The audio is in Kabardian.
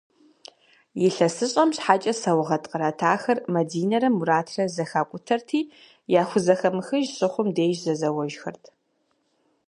Илъэсыщӏэм щхьэкӏэ сэугъэт къратахэр, Мадинэрэ Муратрэ, зэхакӏутэрти, яхузэхэмыхыж щыхъум деж зэзэуэжхэрт.